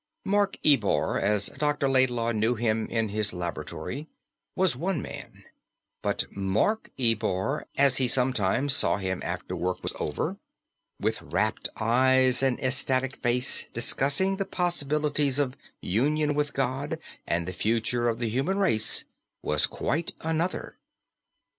Mark Ebor, as Dr. Laidlaw knew him in his laboratory, was one man; but Mark Ebor, as he sometimes saw him after work was over, with rapt eyes and ecstatic face, discussing the possibilities of "union with God" and the future of the human race, was quite another.